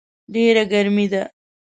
ډېره ګرمي ده